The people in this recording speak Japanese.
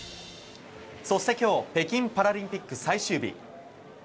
そして今日北京パラリンピック最終日。